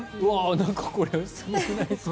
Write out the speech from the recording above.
なんかこれすごくないですか？